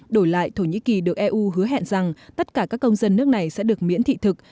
đổi lại thổ nhĩ kỳ được eu hứa hẹn rằng tất cả các công dân nước này sẽ được miễn thị thực